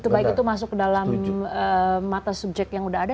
baik itu masuk dalam mata subjek yang udah ada